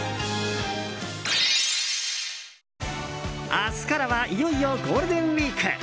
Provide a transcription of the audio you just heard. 明日からはいよいよゴールデンウィーク。